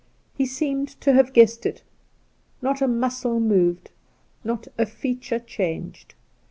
He seemed to have guessed it : not a muscle moved, not a feature changed.